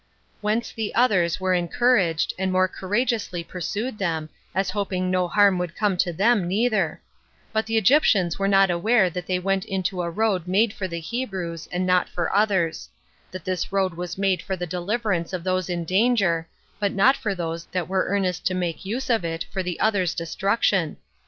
Whence the others were encouraged, and more courageously pursued them, as hoping no harm would come to them neither: but the Egyptians were not aware that they went into a road made for the Hebrews, and not for others; that this road was made for the deliverance of those in danger, but not for those that were earnest to make use of it for the others' destruction.